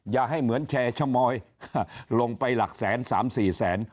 อย่าให้เหมือนแชร์ชะมอยลงไปหลักแสนสามสี่แสน